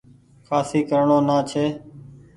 کآسي ڪرڻو نآ ڇي ۔